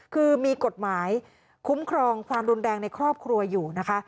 คือมีกฎหมายคุ้มครองความรุนแรงในครอบครัวอยู่นะคะ